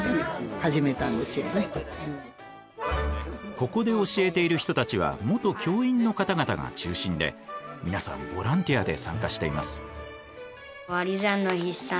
ここで教えている人たちは元教員の方々が中心で皆さんボランティアで参加しています。